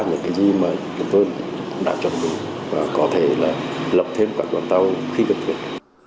những cái gì mà chúng tôi đã chọn đúng và có thể là lập thêm các con tàu khi cần thiết